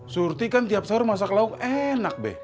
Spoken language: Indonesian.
surti kan tiap sahur masak lauk enak deh